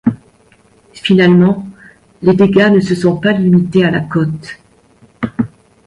Finalement, les dégâts ne se sont pas limités à la côte.